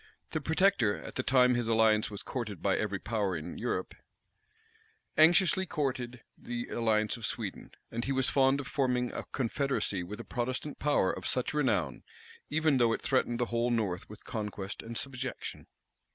The protector, at the time his alliance was courted by every power in Europe, anxiously courted the alliance of Sweden; and he was fond of forming a confederacy with a Protestant power of such renown, even though it threatened the whole north with conquest and subjection.